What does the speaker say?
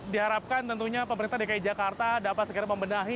diharapkan tentunya pemerintah dki jakarta dapat segera membenahi